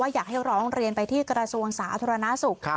อยากให้ร้องเรียนไปที่กระทรวงสาธารณสุข